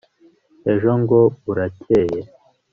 ejo ngo burakeye